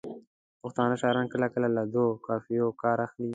پښتانه شاعران کله کله له دوو قافیو کار اخلي.